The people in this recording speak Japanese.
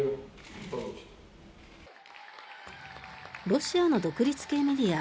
ロシアの独立系メディア